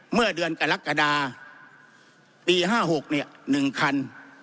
เมื่อเดือนกรกฎาปี๕๖๑คัน